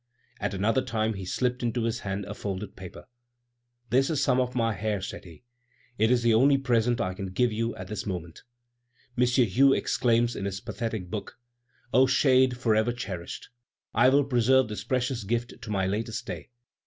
At another time he slipped into his hand a folded paper. "This is some of my hair," said he; "it is the only present I can give you at this moment." M. Hue exclaims in his pathetic book: "O shade forever cherished! I will preserve this precious gift to my latest day!